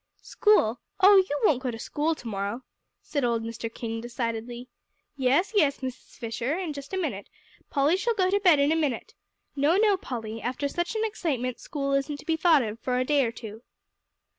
"School? Oh, you won't go to school to morrow," said old Mr. King decidedly. "Yes, yes, Mrs. Fisher, in just a minute Polly shall go to bed in a minute. No, no, Polly, after such an excitement, school isn't to be thought of for a day or two."